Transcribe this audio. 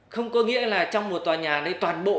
không có nghĩa là trong một tòa nhà đây toàn bộ